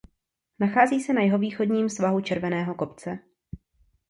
Nachází se na jihovýchodním svahu Červeného kopce.